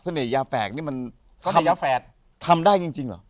เสน่ห์ยาแฝดนี่มันทำได้จริงเหรอ